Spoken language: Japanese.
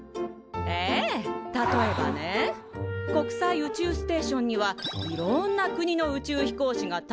ええ例えばね国際宇宙ステーションにはいろんな国の宇宙飛行士がたいざいするでしょ？